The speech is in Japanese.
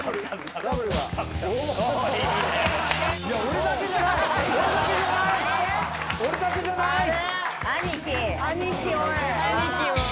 俺だけじゃない！